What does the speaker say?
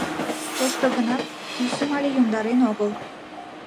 Тошто гынат, тӱсым але йомдарен огыл.